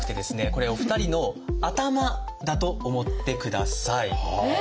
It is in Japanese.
これお二人の頭だと思ってください。